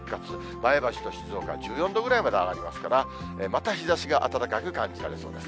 前橋と静岡は１４度くらいまで上がりますから、また日ざしが暖かく感じられそうです。